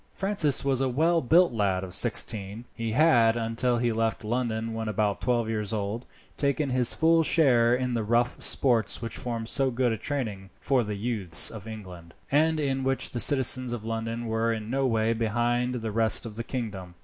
Francis was a well built lad of nearly sixteen. He had, until he left London when about twelve years old, taken his full share in the rough sports which formed so good a training for the youths of England, and in which the citizens of London were in no way behind the rest of the kingdom.